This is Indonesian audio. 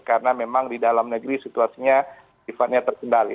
karena memang di dalam negeri situasinya sifatnya terkendali